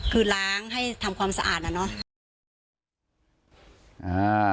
คือล้างให้ทำความสะอาดอะเนาะ